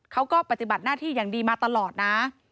เขาก็ปฏิบัติหน้าที่อย่างดีมาตลอดนะ